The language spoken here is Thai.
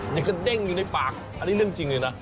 ยังกระเด้งอยู่ในปากอันนี้เรื่องจริงเลยนะ